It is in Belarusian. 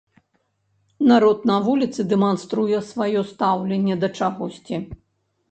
Народ на вуліцы дэманструе сваё стаўленне да чагосьці.